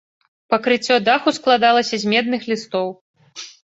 Пакрыццё даху складалася з медных лістоў.